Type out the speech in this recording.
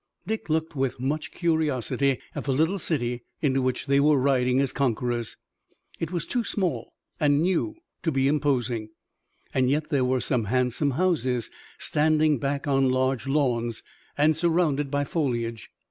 Dick looked with much curiosity at the little city into which they were riding as conquerors. It was too small and new to be imposing. Yet there were some handsome houses, standing back on large lawns, and surrounded by foliage.